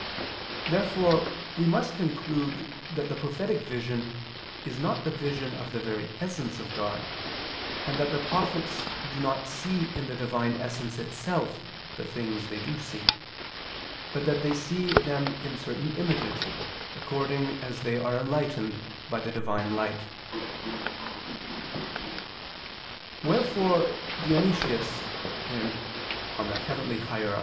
Therefore we must conclude that the prophetic vision is not the vision of the very essence of God, and that the prophets do not see in the Divine essence Itself the things they do see, but that they see them in certain images, according as they are enlightened by the Divine light. Wherefore Dionysius (Coel. Hier.